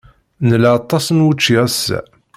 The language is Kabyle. Nla aṭas n wučči ass-a.